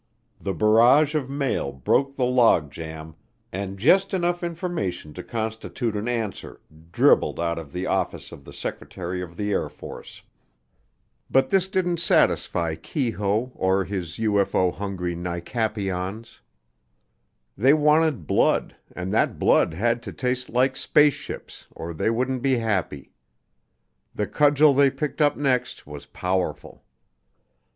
The barrage of mail broke the log jam and just enough information to constitute an answer dribbled out of the Office of the Secretary of the Air Force. But this didn't satisfy Keyhoe or his UFO hungry NICAPions. They wanted blood and that blood had to taste like spaceships or they wouldn't be happy. The cudgel they picked up next was powerful.